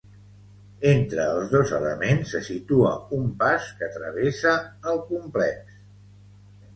Entre els dos elements, se situa un pas que travessa el complex.